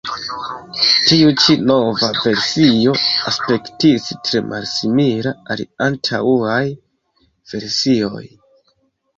Tiu ĉi nova versio aspektis tre malsimila al antaŭaj versioj.